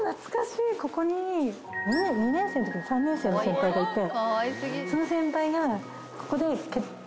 ２年生のときに３年生の先輩がいて。